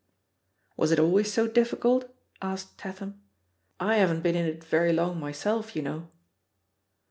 Was it always so difficult?" asked Tatham; I haven't been in it very long myself, you know."